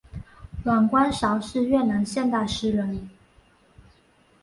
阮光韶是越南现代诗人。